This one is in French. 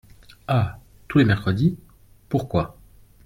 Ah ! tous les mercredis !… pourquoi ?…